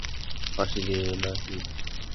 ফাঁসি দেবে না কি?